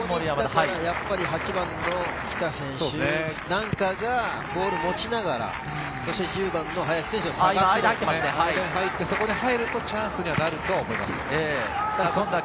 やっぱり北選手なんかがボールを持ちながら、１０番の林選手、間に入って、そこに入るとチャンスになると思います。